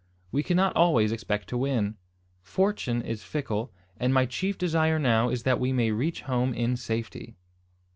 We cannot always expect to win. Fortune is fickle; and my chief desire now is that we may reach home in safety."